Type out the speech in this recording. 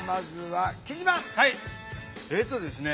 えっとですね